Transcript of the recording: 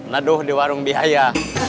leduh di warung biaya